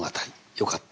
「よかった」